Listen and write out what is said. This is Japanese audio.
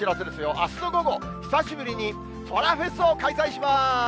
あすの午後、久しぶりにそらフェスを開催します。